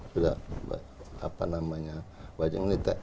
sudah apa namanya wajib militer